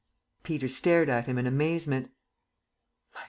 Peter stared at him in amazement.